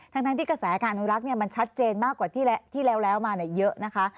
ทั้งที่กระแสการอนุรักษ์มันชัดเจนมากกว่าที่แล้วมาเยอะนะคะ